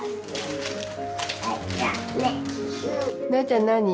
大ちゃん何？